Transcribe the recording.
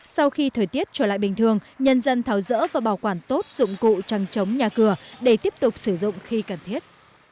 sau khi thời tiết trở lại bình thường nhân dân tháo rỡ và bảo quản tốt dụng cụ trăng trống nhà cửa để tiếp tục sử dụng khi cần thiết